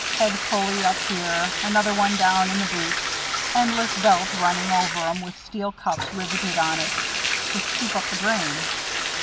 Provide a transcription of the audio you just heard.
Head pulley up here; another one down in the boot; endless belt running over 'em with steel cups rivetted on it to scoop up the grain.